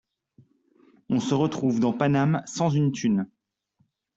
On se retrouve dans Paname sans une thune.